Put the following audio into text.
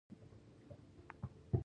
د تلویزیونونو عاید له اعلاناتو دی